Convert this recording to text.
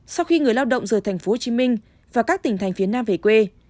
sau khi người lao động rời thành phố hồ chí minh và các tỉnh thành phía nam về quê